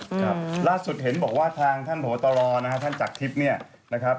ครับล่าสุดเห็นบอกว่าทางท่านผอตรนะฮะท่านจักรทิพย์เนี่ยนะครับ